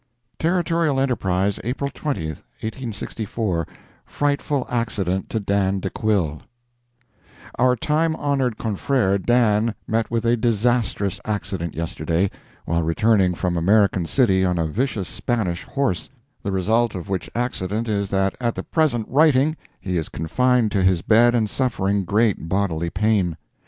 Territorial Enterprise, April 20, 1864 FRIGHTFUL ACCIDENT TO DAN DE QUILLE Our time honored confrere, Dan, met with a disastrous accident, yesterday, while returning from American City on a vicious Spanish horse, the result of which accident is that at the present writing he is confined to his bed and suffering great bodily pain.